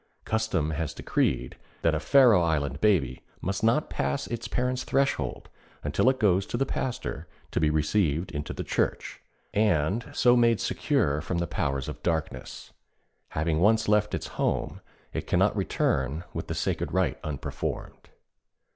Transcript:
Custom has decreed that a Faroe Island baby must not pass its parents' threshold until it goes to the Pastor to be received into the Church, and so made secure from the Powers of Darkness. Having once left its home, it cannot return with the sacred rite unperformed.